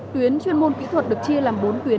tuyến chuyên môn kỹ thuật được chia làm bốn tuyến